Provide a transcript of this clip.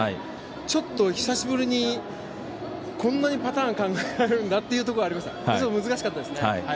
ちょっと久しぶりにこんなにパターンを考えられるんだというのがあってもちろん難しかったですね。